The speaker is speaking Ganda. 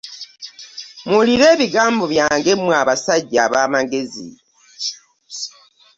Muwulire ebigambi byange mmwe abasajja bamagezi .